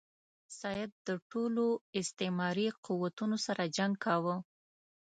سید د ټولو استعماري قوتونو سره جنګ کاوه.